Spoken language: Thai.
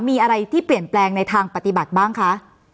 มีอะไรที่เปลี่ยนแปลงในทางปฏิบัติบ้างคะ